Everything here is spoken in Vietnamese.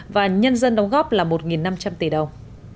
và nhân dân đóng góp là một năm trăm linh tỷ đồng